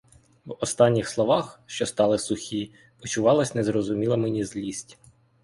В останніх словах, що стали сухі, почувалась незрозуміла мені злість.